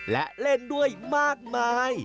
และเล่นด้วยมากมาย